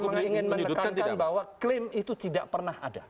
saya ingin menekankan bahwa klaim itu tidak pernah ada